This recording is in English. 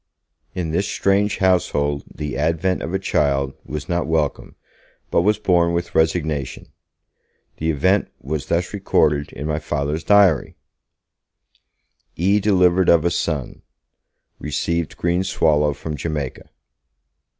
In this strange household the advent of a child was not welcomed, but was borne with resignation. The event was thus recorded in my Father's diary: 'E. delivered of a son. Received green swallow from Jamaica.'